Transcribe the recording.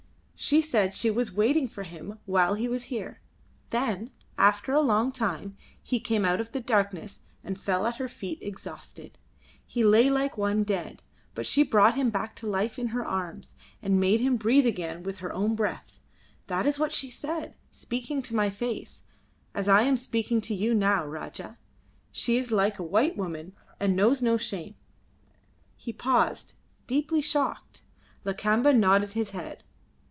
She said she was waiting for him while he was here; then, after a long time, he came out of the darkness and fell at her feet exhausted. He lay like one dead, but she brought him back to life in her arms, and made him breathe again with her own breath. That is what she said, speaking to my face, as I am speaking now to you, Rajah. She is like a white woman and knows no shame." He paused, deeply shocked. Lakamba nodded his head.